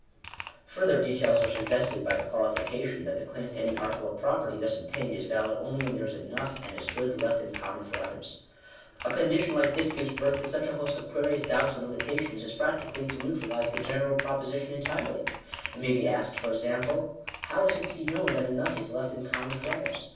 Further difficulties are suggested by the qualification, that Digitized by VjOOQIC 128 THE RIGHT OF PROPERTY. the claim to any article of property thus obtained, is valid only " when there is* enough and as good left in common for others/' A condition like this gives birth to such a host of queries, doubts, and limitations, as practically to neutralize the general proposition entirely. It may be asked, for example — How is it to be known that enough is "left in common for othera?"